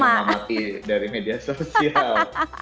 jadi saya mengamati dari media sosial